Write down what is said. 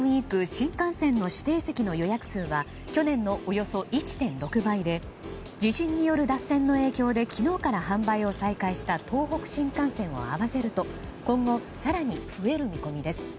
新幹線の指定席の予約数は去年のおよそ１．６倍で地震による脱線の影響で昨日から販売を再開した東北新幹線を合わせると今後、更に増える見込みです。